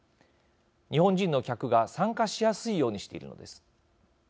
日本人の客が参加しやすいようにしているのです。